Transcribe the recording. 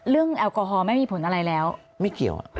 เรื่องแอนลกอฮอล์ไม่มีผลอะไรแล้วยือวะไม่เกี่ยว